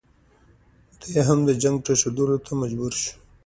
دی هم د جنګ پرېښودلو ته مجبور شو.